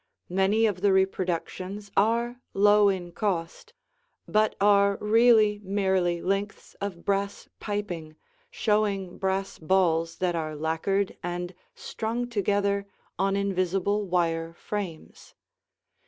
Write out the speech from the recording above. Many of the reproductions are low in cost but are really merely lengths of brass piping, showing brass balls that are lacquered and strung together on invisible wire frames.